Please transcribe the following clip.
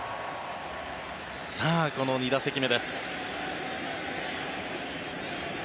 さあ、この２打席目です。